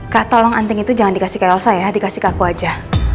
kak tolong anting itu jangan dikasih ke elsa ya dikasih ke aku aja